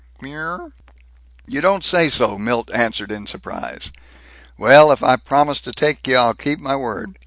Me mrwr!" "You don't say so!" Milt answered in surprise. "Well, if I promised to take you, I'll keep my word."